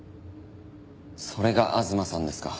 それが吾妻さんですか。